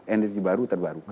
energi baru terbarukan